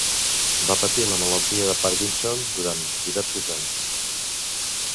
Va patir la malaltia de Parkinson durant diversos anys.